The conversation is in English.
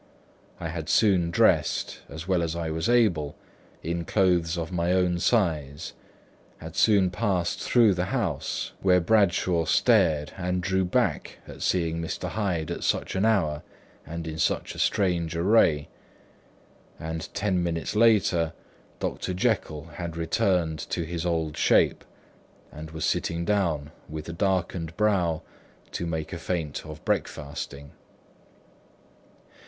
I had soon dressed, as well as I was able, in clothes of my own size: had soon passed through the house, where Bradshaw stared and drew back at seeing Mr. Hyde at such an hour and in such a strange array; and ten minutes later, Dr. Jekyll had returned to his own shape and was sitting down, with a darkened brow, to make a feint of breakfasting.